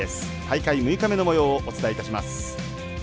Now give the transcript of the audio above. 大会６日目のもようをお伝えいたします。